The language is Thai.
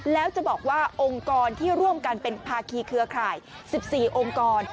แล้วจะบอกว่าองค์กรที่ร่วมกันเป็นภาคีเครือข่าย๑๔องค์กร